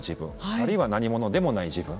あるいは何者でもない自分。